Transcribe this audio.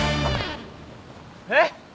えっ？